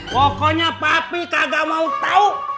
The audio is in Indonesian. pokoknya papi kagak mau tahu